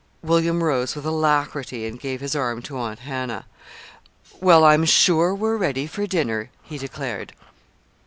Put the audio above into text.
William rose with alacrity, and gave his arm to Aunt Hannah. "Well, I'm sure we're ready for dinner," he declared.